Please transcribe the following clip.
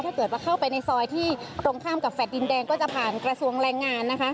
เข้าไปในซอยที่ตรงข้ามกับแฟลต์ดินแดงก็จะผ่านกระทรวงแรงงานนะคะ